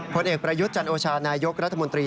ผลเอกประยุทธ์จันโอชานายกรัฐมนตรี